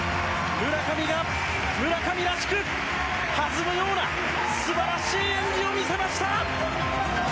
村上が村上らしく弾むような素晴らしい演技を見せました！